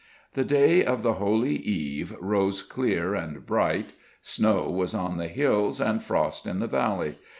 The day of the holy eve rose clear and bright. Snow was on the hills, and frost in the valley.